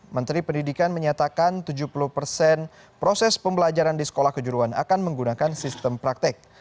menteri pendidikan menyatakan tujuh puluh persen proses pembelajaran di sekolah kejuruan akan menggunakan sistem praktek